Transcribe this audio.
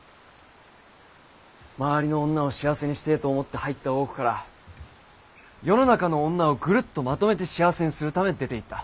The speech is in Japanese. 周りの女を幸せにしてぇと思って入った大奥から世の中の女をぐるっとまとめて幸せにするため出ていった。